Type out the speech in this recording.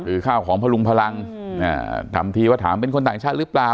คือข้าวของพลุงพลังทำทีว่าถามเป็นคนต่างชาติหรือเปล่า